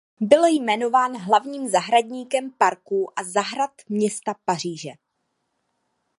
Byl jmenován hlavním zahradníkem parků a zahrad města Paříže.